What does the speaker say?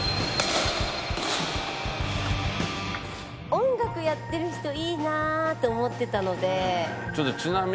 音楽やってる人いいなって思ってたので。